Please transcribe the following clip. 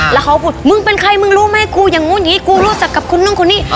แล้วเขาก็พูดมึงเป็นใครมึงรู้ไหมกูอย่างนู้นอย่างนี้กูรู้จักกับคนนู้นคนนี้